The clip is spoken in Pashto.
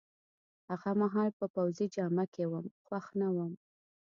هغه مهال په پوځي جامه کي وم، خوښ نه وم.